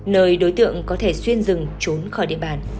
nơi đối tượng có thể xuyên rừng trốn khỏi địa bàn